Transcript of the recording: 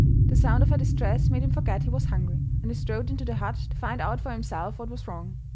The sound of her distress made him forget he was hungry, and he strode into the hut to find out for himself what was wrong.